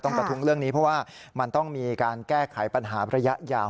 กระทุ้งเรื่องนี้เพราะว่ามันต้องมีการแก้ไขปัญหาระยะยาว